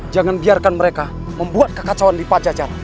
jangan biarkan mereka membuat kekacauan di pajajar